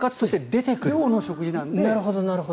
寮の食事なので。